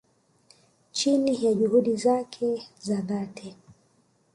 chini ya juhudi zake za dhati